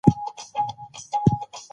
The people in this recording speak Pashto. ملالۍ نومیالۍ وه.